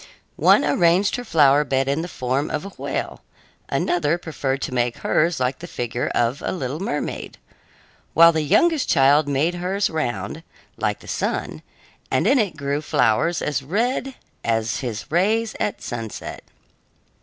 One arranged her flower bed in the form of a whale; another preferred to make hers like the figure of a little mermaid; while the youngest child made hers round, like the sun, and in it grew flowers as red as his rays at sunset.